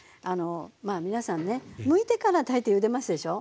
まあ皆さんねむいてから大抵ゆでますでしょ。